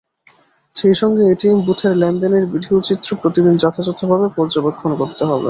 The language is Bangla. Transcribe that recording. সেই সঙ্গে এটিএম বুথের লেনদেনের ভিডিওচিত্র প্রতিদিন যথাযথভাবে পর্যবেক্ষণ করতে হবে।